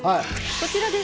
こちらです。